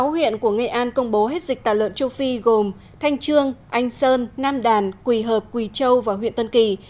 sáu huyện của nghệ an công bố hết dịch tả lợn châu phi gồm thanh trương anh sơn nam đàn quỳ hợp quỳ châu và huyện tân kỳ